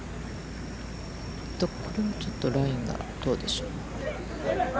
ちょっとラインがどうでしょう。